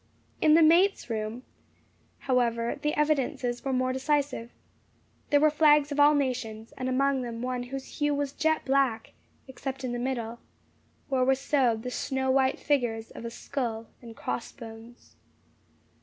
In the mate's room, however, the evidences were more decisive. There were flags of all nations; and among them one whose hue was jet black, except in the middle, where were sewed the snow white figures of a skull and cross bones.